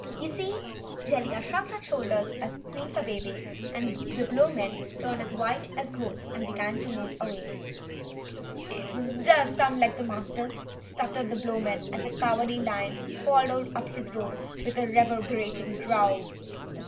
You see?" Jellia shrugged her shoulders as Queen Kabebe and the Blowmen turned white as ghosts and began to move away. "It does sound like the Master," stuttered the Blowman, as the Cowardly Lion followed up his roar with a reverberating growl.